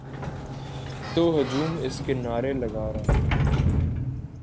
تو ہجوم اس کے نعرے لگا رہا ہے۔